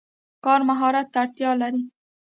کار مهارت ته اړتیا لري.